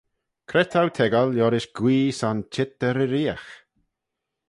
Cre t'ou toiggal liorish guee son çheet e reeriaght?